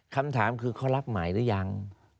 คำถามคือเขารับหมายหรือยัง